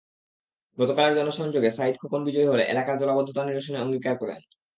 গতকালের জনসংযোগে সাঈদ খোকন বিজয়ী হলে এলাকার জলাবদ্ধতা নিরসনে অঙ্গীকার করেন।